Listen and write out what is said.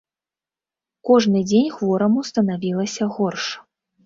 Кожны дзень хвораму станавілася горш.